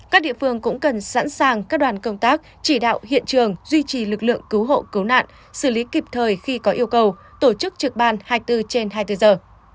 các địa phương cũng cần sẵn sàng các đoàn công tác chỉ đạo hiện trường duy trì lực lượng cứu hộ cứu nạn xử lý kịp thời khi có yêu cầu tổ chức trực ban hai mươi bốn trên hai mươi bốn giờ